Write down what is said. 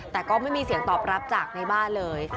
แต่ก็ไม่มีเสียงตอบรับจากในบ้านเลย